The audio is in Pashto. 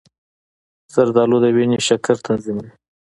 زردآلو د وینې شکر تنظیموي.